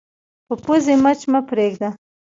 په پوزې مچ مه پرېږده